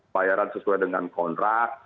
bayaran sesuai dengan kontrak